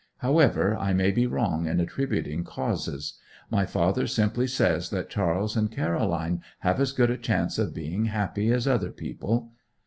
However, I may be wrong in attributing causes: my father simply says that Charles and Caroline have as good a chance of being happy as other people.